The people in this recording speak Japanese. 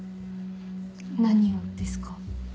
何をですか？